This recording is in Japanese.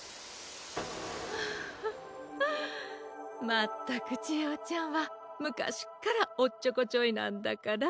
まったくちえおちゃんはむかしっからおっちょこちょいなんだから。